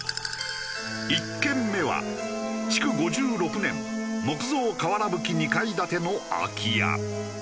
１軒目は築５６年木造瓦ぶき２階建ての空き家。